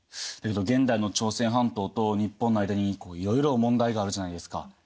だけど現代の朝鮮半島と日本の間にいろいろ問題があるじゃないですか。